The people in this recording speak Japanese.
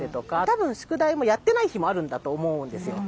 多分宿題もやってない日もあるんだと思うんですよ。